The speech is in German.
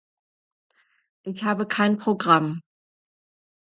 Ich habe kein Programm.